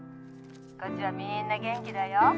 こっちはみんな元気だよ」